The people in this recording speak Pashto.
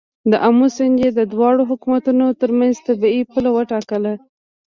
د آمو سیند یې د دواړو حکومتونو تر منځ طبیعي پوله وټاکه.